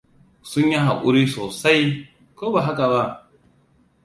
Sun yi haƙuri sosai, ko ba haka ba?